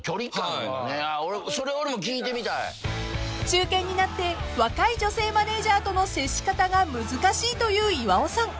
［中堅になって若い女性マネージャーとの接し方が難しいという岩尾さん。